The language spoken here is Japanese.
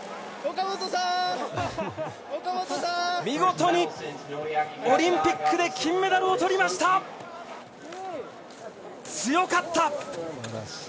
見事にオリンピックで金メダルを取りました。